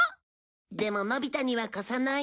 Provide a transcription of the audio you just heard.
でものび太には貸さない。